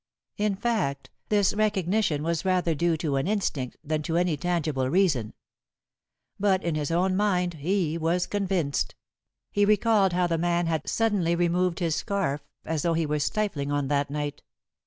In fact, this recognition was rather due to an instinct than to any tangible reason. But in his own mind he was convinced. He recalled how the man had suddenly removed his scarf as though he were stifling on that night.